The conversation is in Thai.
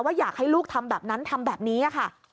อยากให้ลูกทำแบบนั้นทำแบบนี้ค่ะ